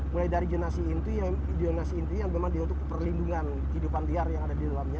mulai dari zonasi inti yang zonasi inti yang memang untuk perlindungan kehidupan liar yang ada di luarnya